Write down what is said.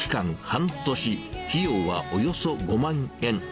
半年、費用はおよそ５万円。